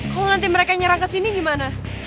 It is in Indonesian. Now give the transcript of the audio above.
kalau nanti mereka nyerang kesini gimana